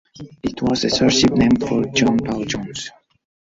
It was the third ship named for John Paul Jones.